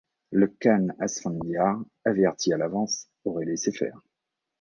Le khan Asfandiar, averti à l'avance, aurait laissé faire.